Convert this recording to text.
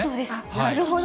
なるほど。